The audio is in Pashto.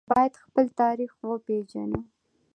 باید خپل تاریخ وپیژنو